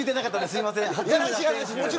すいません。